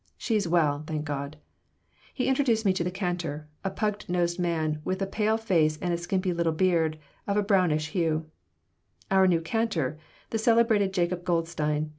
"She's well, thank God." He introduced me to the cantor a pug nosed man with a pale face and a skimpy little beard of a brownish hue "Our new cantor, the celebrated Jacob Goldstein!"